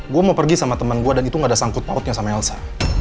gue mau pergi sama temen gue dan itu gak ada sangkut mautnya sama elsa